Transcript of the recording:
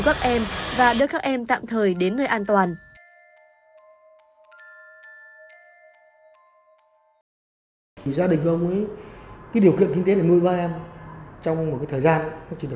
hướng dẫn người đàn ông trung quốc tìm cách giải cứu các em và đưa các em tạm thời đến nơi an toàn